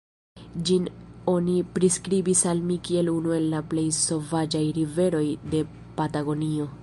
Ĝin oni priskribis al mi kiel unu el la plej sovaĝaj riveroj de Patagonio.